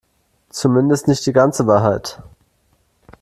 Zumindest nicht die ganze Wahrheit.